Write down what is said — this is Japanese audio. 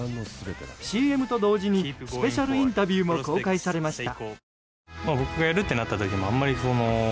ＣＭと同時にスペシャルインタビューも公開されました。